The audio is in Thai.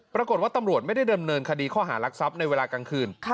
ปรากฏว่าตำรวจไม่ได้ดำเนินคดีข้อหารักทรัพย์ในเวลากลางคืน